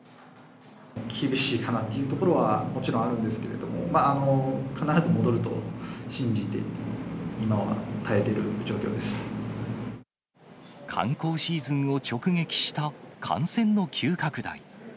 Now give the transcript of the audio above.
厳しいかなというところはもちろんあるんですけれども、必ず戻ると信じて、観光シーズンを直撃した感染の急拡大。